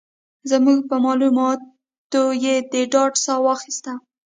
زموږ په مالوماتو یې د ډاډ ساه واخيسته.